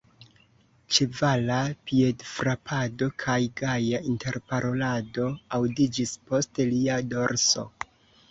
Ĉevala piedfrapado kaj gaja interparolado aŭdiĝis post lia dorso.